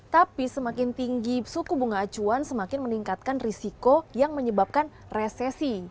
tapi semakin tinggi suku bunga acuan semakin meningkatkan risiko yang menyebabkan resesi